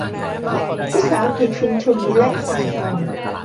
วิสาหกิจชุมชน และสหกรณ์